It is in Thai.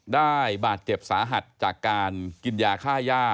ได้รับบาดเจ็บสาหัสจากการกินยาฆ่าย่า